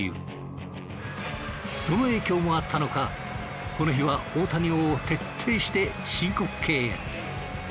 その影響もあったのかこの日は大谷を徹底して申告敬遠。